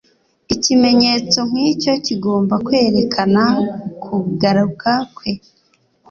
Ikimenyetso nk'icyo kigomba kwerekana ukugaruka kwe.